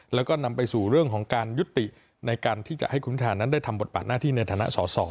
แล้วก็นำไปสู่เรื่องของการยุติในการที่จะให้คุณพิธานั้นได้ทำบทบาทหน้าที่ในฐานะสอสอ